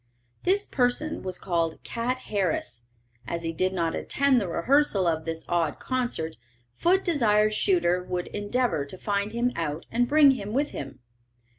This person was called 'Cat Harris.' As he did not attend the rehearsal of this odd concert, Foote desired Shuter would endeavour to find him out and bring him with him.